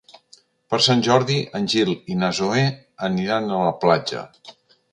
Per Sant Jordi en Gil i na Zoè aniran a la platja.